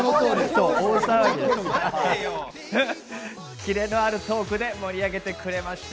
キレのあるトークで盛り上げてくれました。